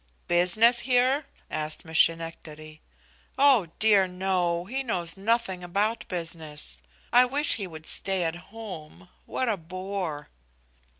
"Business here?" asked Miss Schenectady. "Oh dear, no! He knows nothing about business. I wish he would stay at home. What a bore!"